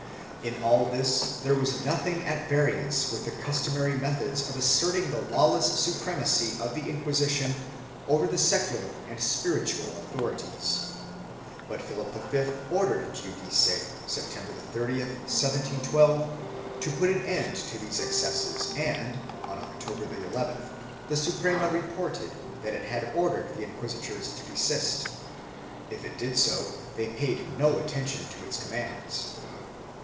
In all this there was nothing at variance with the customary methods of asserting the lawless supremacy of the Inquisition over the secular and spiritual authorities, but Philip V ordered Giudice, September 30, 1712, to put an end to these excesses and, on October llth, the Suprema reported that it had ordered the inquisitors to desist. If it did so, they paid no attention to its commands.